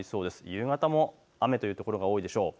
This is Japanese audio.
夕方も雨という所が多いでしょう。